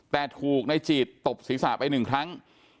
แต่ถูกในจีดตบศีรษะไปหนึ่งครั้ง